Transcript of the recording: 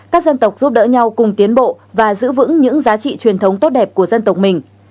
các dân tộc giúp đỡ nhau cùng tiến bộ và giữ vững những giá trị truyền thống tốt đẹp của dân tộc mình